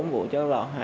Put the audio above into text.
bốn vụ chó lọt